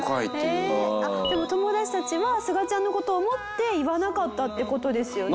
でも友達たちはすがちゃんの事を思って言わなかったって事ですよね。